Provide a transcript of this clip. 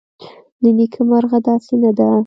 له نیکه مرغه داسې نه ده